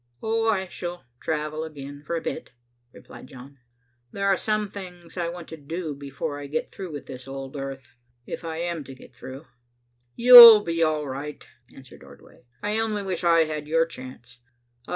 "Oh! I shall travel again for a bit," replied John. "There are some things I want to do before I get through with this old earth, if I am to get through." "You'll be all right," answered Ordway. "I only wish I had your chance.